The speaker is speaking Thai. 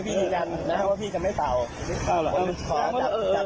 พี่ด้านแม้ว่าพี่คำให้เจ้าเอ่อโอเค